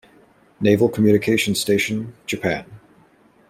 Naval Communications Station, Japan.